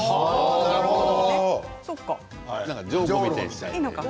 なるほど。